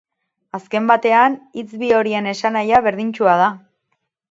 Azken batean, hitz bi horien esanahia berdintsua da.